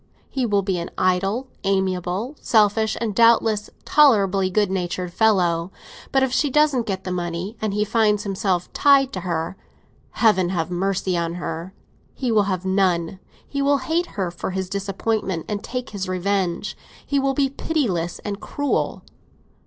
He will be an idle, amiable, selfish, and doubtless tolerably good natured fellow. But if she doesn't get the money and he finds himself tied to her, Heaven have mercy on her! He will have none. He will hate her for his disappointment, and take his revenge; he will be pitiless and cruel.